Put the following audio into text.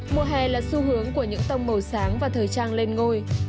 mùa hè là xu hướng của những tông màu sáng và thời trang lên ngôi